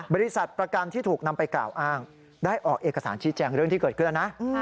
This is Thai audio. บริษัทประกันที่ถูกนำไปกล่าวอ้างได้ออกเอกสารชี้แจงเรื่องที่เกิดขึ้นแล้วนะ